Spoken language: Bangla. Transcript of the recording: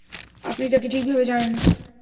আপনি তাকে ঠিকভাবে জানেন না!